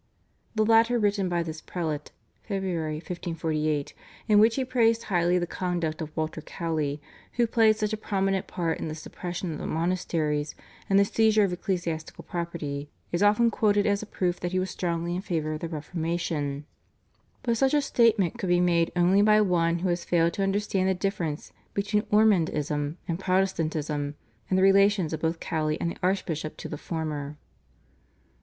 The latter written by this prelate (Feb. 1548), in which he praised highly the conduct of Walter Cowley, who played such a prominent part in the suppression of the monasteries and the seizure of ecclesiastical property, is often quoted as a proof that he was strongly in favour of the Reformation, but such a statement could be made only by one who has failed to understand the difference between Ormondism and Protestantism, and the relations of both Cowley and the archbishop to the former.